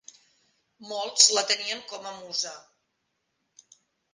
Molts la tenien com a musa.